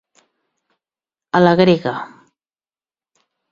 A la grega.